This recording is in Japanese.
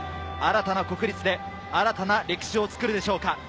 新たな国立で新たな歴史を作るでしょうか。